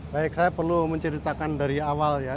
baik saya perlu menceritakan dari awal ya